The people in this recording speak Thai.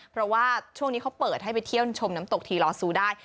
เพราะว่าช่วงนี้เขาเปิดให้ไปเที่ยวชมน้ำตกทีลอซูได้